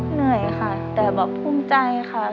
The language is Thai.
เหนื่อยค่ะแต่แบบภูมิใจค่ะ